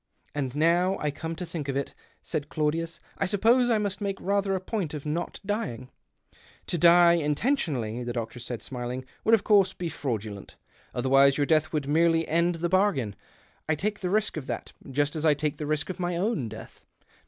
" And now I come to think of it," said Claudius, " I suppose I must make rather a point of not dying ?"" To die intentionally," the doctor said, smiling, " would, of course, be fraudulent. Otherwise your death would merely end the bargain — I take the risk of that — just as I take the risk of my own death.